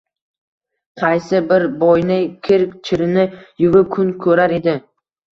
Qaysi bir boyni kir-chirini yuvib kun ko‘rar edi.